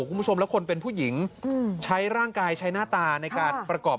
คุณผู้ชมแล้วคนเป็นผู้หญิงใช้ร่างกายใช้หน้าตาในการประกอบ